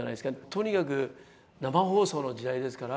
とにかく生放送の時代ですから。